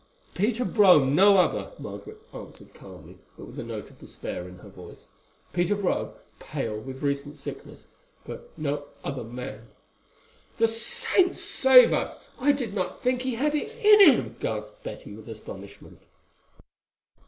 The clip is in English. "Peter Brome, no other," Margaret answered calmly, but with a note of despair in her voice. "Peter Brome, pale with recent sickness, but no other man." "The saints save us! I did not think he had it in him!" gasped Betty with astonishment.